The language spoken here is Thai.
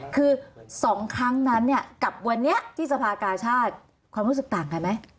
คือ๒ครั้งนั้นเนี่ยกับวันนี้ที่สภากาชาติความรู้สึกต่างกันไหม